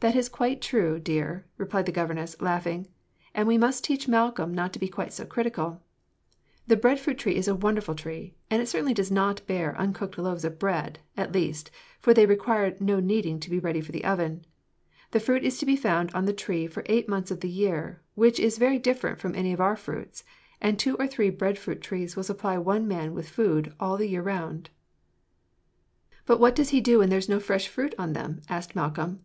"That is quite true, dear," replied her governess, laughing, "and we must teach Malcolm not to be quite so critical. The bread fruit is a wonderful tree, and it certainly does bear uncooked loaves of bread, at least, for they require no kneading to be ready for the oven. The fruit is to be found on the tree for eight months of the year which is very different from any of our fruits and two or three bread fruit trees will supply one man with food all the year round." "Put what does he do when there is no fresh fruit on them?" asked Malcolm.